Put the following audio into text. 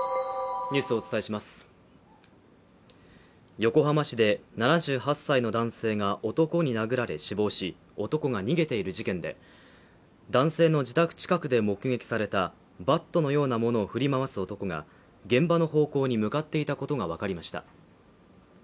横浜市で７８歳の男性が男に殴られ死亡し男が逃げている事件で、男性の自宅近くで目撃されたバットのようなものを振り回す男が現場の方向に向かっていたことが分かりました。